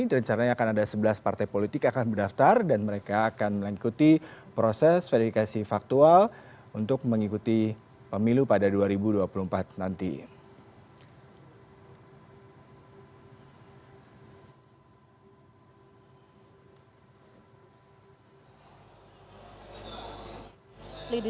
dan caranya akan ada sebelas partai politik yang akan mendaftar dan mereka akan mengikuti proses verifikasi faktual untuk mengikuti pemilu pada dua ribu dua puluh empat nanti